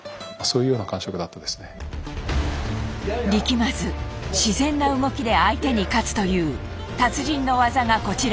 まず自然な動きで相手に勝つという達人の技がこちら。